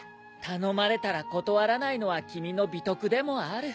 頼まれたら断らないのは君の美徳でもある。